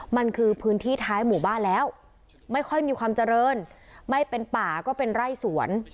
มันคือพื้นที่ท้ายหมู่บ้านแล้วไม่ค่อยมีความเจริญไม่เป็นป่าก็เป็นไร่สวน